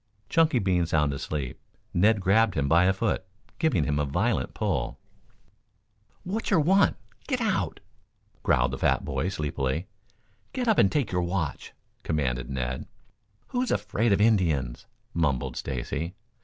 Chunky being sound asleep, Ned grabbed him by a foot giving him a violent pull. "Wat'cher want? Get out!" growled the fat boy sleepily. "Get up and take your watch!" commanded Ned. "Who's afraid of Indians?" mumbled Stacy.